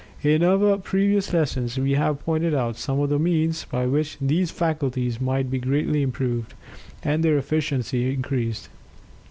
In our previous lessons we have pointed out some of the means by which these faculties might be greatly improved, and their efficiency increased.